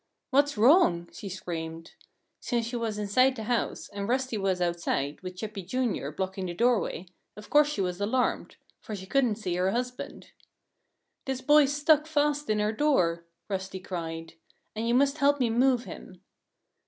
"What's wrong?" she screamed. Since she was inside the house, and Rusty was outside, with Chippy, Jr., blocking the doorway, of course she was alarmed for she couldn't see her husband. "This boy's stuck fast in our door," Rusty cried. "And you must help me move him."